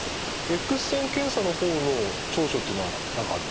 エックス線検査の方の長所っていうのは何かあるんですか？